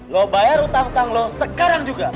lu bayar hutang hutang lu sekarang juga